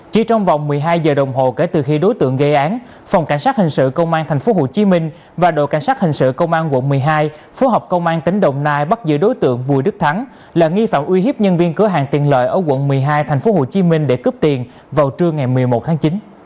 chỉ trong vòng một mươi hai giờ đồng hồ kể từ khi đối tượng gây án phòng cảnh sát hình sự công an tp hcm và đội cảnh sát hình sự công an quận một mươi hai phối hợp công an tỉnh đồng nai bắt giữ đối tượng bùi đức thắng là nghi phạm uy hiếp nhân viên cửa hàng tiền lợi ở quận một mươi hai tp hcm để cướp tiền vào trưa ngày một mươi một tháng chín